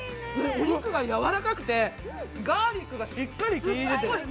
お肉がやわらかくてガーリックがしっかりきいてて。